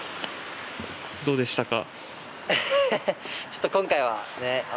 どうでしたか？